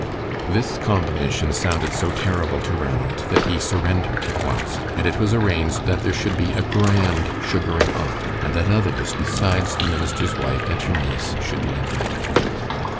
This combination sounded so terrible to Ranald that he surrendered at once; and it was arranged that there should be a grand sugaring off, and that others besides the minister's wife and her niece should be invited.